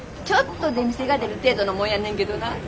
ちょっと出店が出る程度のもんやねんけどな。